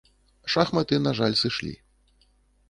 Шахматы, на жаль, сышлі.